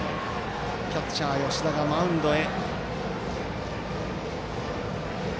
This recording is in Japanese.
キャッチャー、吉田がマウンドへ。